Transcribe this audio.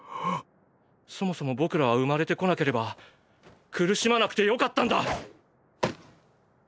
そもそも僕らは生まれてこなければ苦しまなくてよかったんだ！